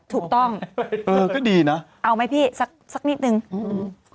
ถูกต้องเออก็ดีนะเอาไหมพี่สักสักนิดนึงอืม